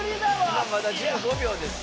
いやまだ１５秒です。